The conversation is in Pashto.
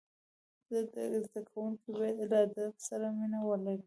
زدهکوونکي باید له ادب سره مینه ولري.